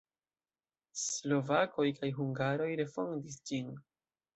Slovakoj kaj hungaroj refondis ĝin.